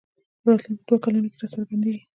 په راتلونکو دوو کلونو کې راڅرګندېږي